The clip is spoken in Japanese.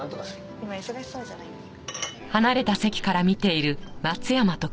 今忙しそうじゃないですか。